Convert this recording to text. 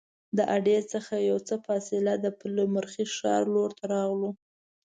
د اډې څخه یو څه فاصله د پلخمري ښار لور ته راغلو.